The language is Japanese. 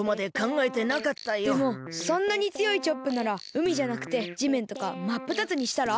でもそんなにつよいチョップならうみじゃなくてじめんとかまっぷたつにしたら？